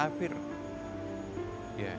tapi diri kita